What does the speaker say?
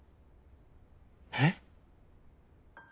えっ？